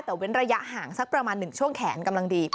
แต่เว้นระยะห่างสักประมาณ๑ช่วงแขนกำลังดี